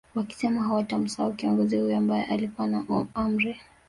Wakisema hawatamsahau kiongozi huyo ambae alikuwa na Amri